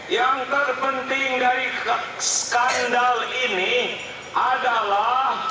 yang terpenting dari skandal ini adalah